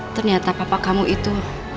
ternyata papa kamu itu